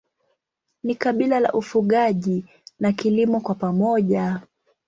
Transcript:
Ni kabila la ufugaji na kilimo kwa pamoja.